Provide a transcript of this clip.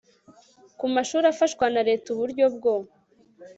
ku mashuri afashwa na leta uburyo bwo